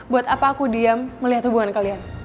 buat apa aku diam melihat hubungan kalian